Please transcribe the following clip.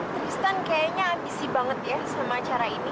kristen kayaknya ambisi banget ya sama acara ini